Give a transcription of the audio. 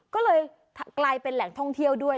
ก็เลยกลายเป็นแหล่งท่องเที่ยวด้วย